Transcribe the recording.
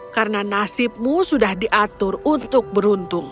karena nasibmu sudah diatur untuk beruntung